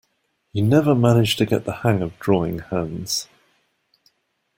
He never managed to get the hang of drawing hands.